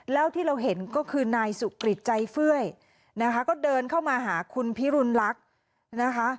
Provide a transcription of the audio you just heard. แล้วที่เราเห็นก็คือนายสุกริจใจเฟื่อยนะคะก็เดินเข้ามาหาคุณพิรุณลักษณ์นะคะ